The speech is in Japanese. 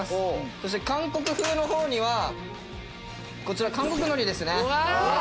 そして韓国風の方にはこちら韓国海苔ですね。